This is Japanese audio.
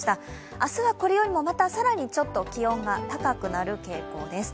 明日はこれよりもまたちょっと更に気温が高くなる傾向です。